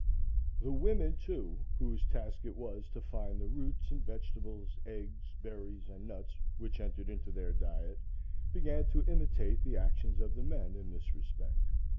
The women, too, whose task it was to find the roots and vegetables, eggs, berries and nuts which entered into their diet, began to imitate the actions of the men in this respect.